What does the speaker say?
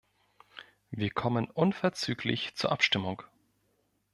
Wir kommen unverzüglich zur Abstimmung.